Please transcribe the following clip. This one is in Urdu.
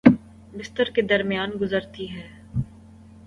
بستر کے درمیان گزرتی ہے